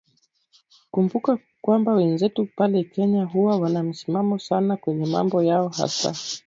kumbuka kwamba wenzetu pale kenya huwa wana msimamo sana kwenye mambo yao hasa